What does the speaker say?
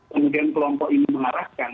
kemudian kelompok ini mengarahkan